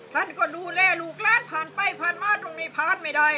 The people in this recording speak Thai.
ท่านก็ดูแลลูกหลานผ่านไปผ่านมาตรงนี้ผ่านไม่ได้